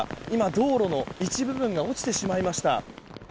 道路の一部分が落ちてしまいました。